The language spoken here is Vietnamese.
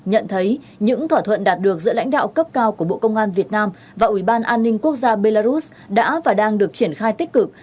nhận thấy những thỏa thuận đạt được giữa lãnh đạo cấp cao của bộ công an việt nam và ủy ban an ninh quốc gia belarus đã và đang được triển khai tích cực